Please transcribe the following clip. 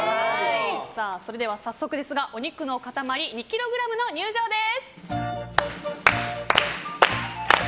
それでは早速お肉の塊２ｋｇの入場です！